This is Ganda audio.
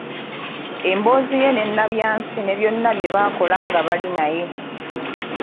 emboozi ye ne Nnabyasi ne byonna bye bakola nga bali naye